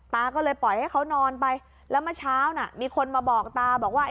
ตาก็เลยปล่อยให้เขานอนไปแล้วเมื่อเช้าน่ะมีคนมาบอกตาบอกว่า